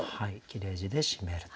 切れ字で締めると。